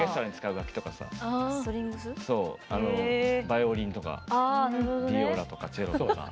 バイオリンとかビオラとかチェロとか。